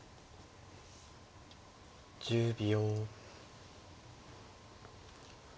１０秒。